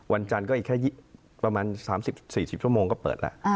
วันจันทร์ก็อีกแค่ประมาณ๓๐๔๐ชั่วโมงก็เปิดแล้ว